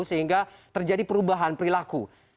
sehingga terjadi perubahan perilaku